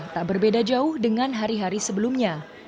tak berbeda jauh dengan hari hari sebelumnya